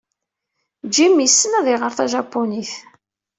Jim yessen ad iɣer tajapunit.